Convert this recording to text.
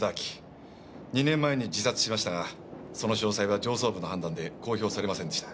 ２年前に自殺しましたがその詳細は上層部の判断で公表されませんでした。